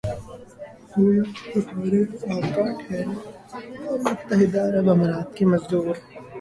گویا ہمارے آقا ٹھہرے اور متحدہ عرب امارات کے مزدور۔